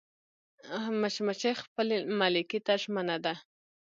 مچمچۍ خپل ملکې ته ژمنه ده